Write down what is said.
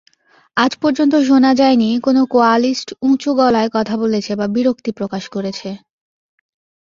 আজ পর্যন্ত শুনা যায়নি কোনো কোয়ালিস্ট উঁচু গলায় কথা বলেছে বা বিরক্তি প্রকাশ করেছে।